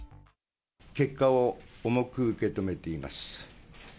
結果を重く受け止めています。